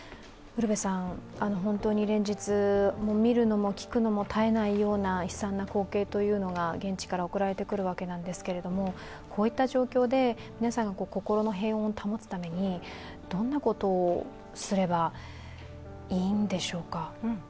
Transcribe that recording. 本当に連日、見るのも聞くのも耐えないような悲惨な光景が現地から送られてくるわけなんですけども、こういった状況で皆さんが心の平穏を保つためにどんなことをすればいいんでしょうか？